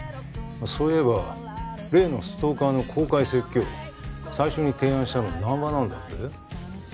そういえば例のストーカーの公開説教最初に提案したの南波なんだって？